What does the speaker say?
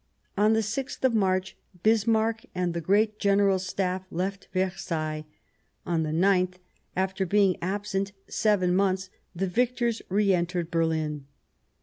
On the 6th of March Bismarck and the great General Staff left Versailles ; on the 9th, after being absent seven months, the victors re entered Berlin.